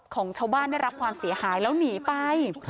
ของชาวบ้านได้รับความเสียหายแล้วหนีไป